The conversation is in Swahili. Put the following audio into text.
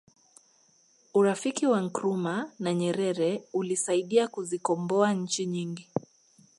urafiki wa nkrumah na nyerere ulisaidia kuzikomboa nchi nyingi